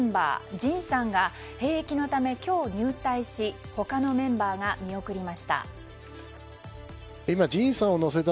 ＪＩＮさんが兵役のため今日入隊し他のメンバーが見送りました。